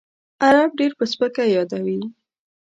عرب ډېر په سپکه یادوي.